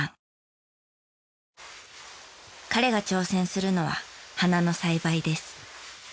彼が挑戦するのは花の栽培です。